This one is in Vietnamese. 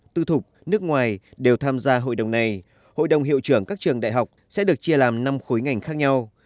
tư thục nước ngoài đều tham gia hội đồng này hội đồng hiệu trưởng các trường đại học sẽ được chia làm năm khối ngành khác nhau